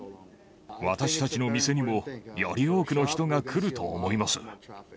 私たちの店にも、より多くの人が来ると思います。